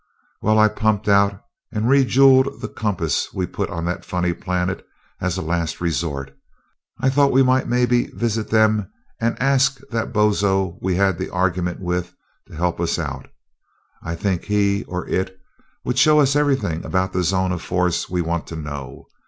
"Well, I pumped out and rejeweled the compass we put on that funny planet as a last resort, I thought we might maybe visit them and ask that bozo we had the argument with to help us out. I think he or it would show us everything about the zone of force we want to know.